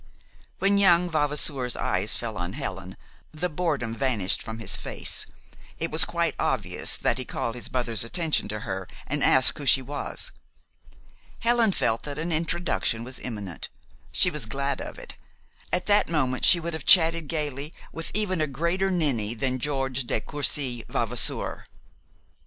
When young Vavasour's eyes fell on Helen, the boredom vanished from his face. It was quite obvious that he called his mother's attention to her and asked who she was. Helen felt that an introduction was imminent. She was glad of it. At that moment she would have chatted gayly with even a greater ninny than George de Courcy Vavasour.